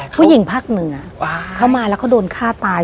ผู้หญิงภาคเหนือเขามาแล้วเขาโดนฆ่าตาย